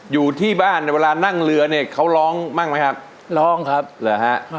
อยู่ที่บ้านเนี่ยเวลานั่งเรือเนี่ยเขาร้องบ้างไหมครับร้องครับเหรอฮะ